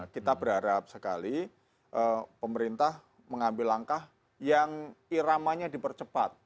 kita berharap sekali pemerintah mengambil langkah yang iramanya dipercepat